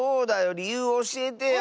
りゆうをおしえてよ！